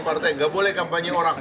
partai nggak boleh kampanye orang